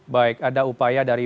baik ada upaya dari